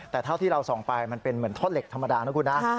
แต่เท่าที่เราส่องไปมันเป็นเหมือนท่อนเหล็กธรรมดานะคุณนะ